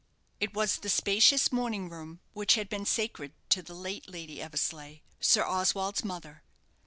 It was the spacious morning room which had been sacred to the late Lady Eversleigh, Sir Oswald's mother.